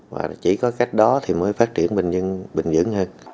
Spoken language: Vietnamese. và chỉ có cách đó thì mới phát triển bình dương hơn